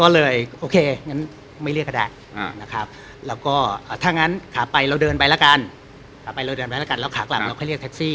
เราเดินไปแล้วกันแล้วขาข้างหลังเราก็เรียกแท็กซี่